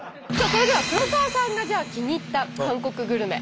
それでは黒沢さんが気に入った韓国グルメ。